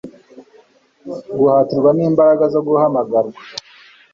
guhatirwa n'imbaraga zo guhamagarwa